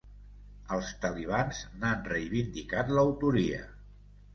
Els talibans n’han reivindicat l’autoria.